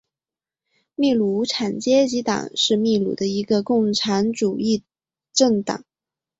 秘鲁无产阶级党是秘鲁的一个共产主义政党。